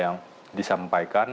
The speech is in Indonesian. yang di sampaikan